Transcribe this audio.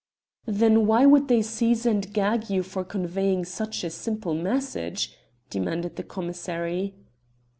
"Then, why should they seize and gag you for conveying such a simple message?" demanded the commissary.